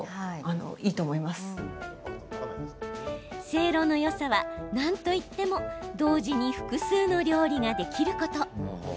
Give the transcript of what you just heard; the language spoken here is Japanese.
せいろのよさはなんといっても同時に複数の料理ができること。